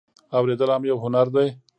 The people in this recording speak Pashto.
اوریدل هم یو هنر دی